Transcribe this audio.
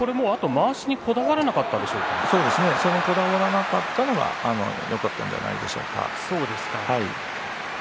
まわしにこだわらなかったのがよかったんじゃないでしょうか。